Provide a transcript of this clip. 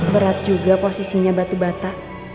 berat juga posisinya batu bata